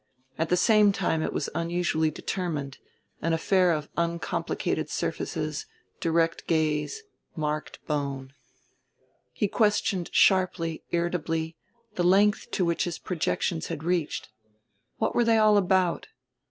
At the same time it was unusually determined an affair of uncomplicated surfaces, direct gaze, marked bone. He questioned sharply, irritably, the length to which his projections had reached. What were they all about?